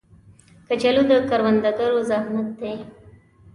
کچالو د کروندګرو زحمت دی